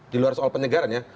di luar soal penyegaran ya